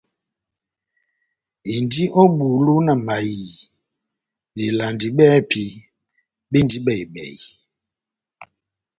Indi ó bulu na mayiii belandi bɛ́hɛ́pi bendi bɛhi-bɛhi.